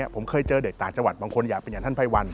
ผมเคยเจอเด็กต่างจังหวัดบางคนอยากเป็นอย่างท่านภัยวัน